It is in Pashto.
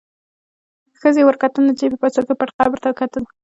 ښخې ور وکتل، نجلۍ په پیسو کې پټ قبر ته کتل.